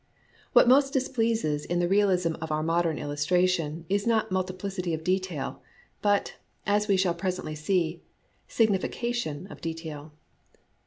What most displeases in the realism of our modern illus tration is not multiplicity of detail, but, as we shall presently see, signification of detail.